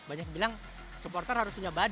banyak bilang supporter harus punya badan